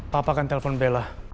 papa akan telpon bella